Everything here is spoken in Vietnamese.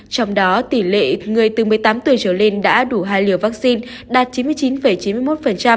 trong đó tỷ lệ người từ một mươi tám tuổi trở lên đã đủ hai liều vaccine đạt chín mươi chín chín mươi một